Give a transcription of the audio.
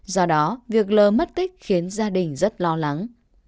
do đó việc lơ mất tích khiến gia đình rất lo lắng